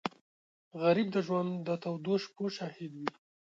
غریب د ژوند د تودو شپو شاهد وي